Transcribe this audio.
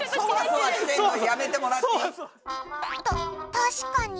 確かに。